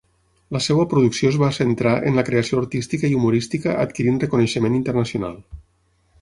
La seva producció es va centrar en la creació artística i humorística adquirint reconeixement internacional.